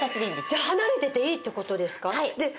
じゃあ離れてていいって事ですか？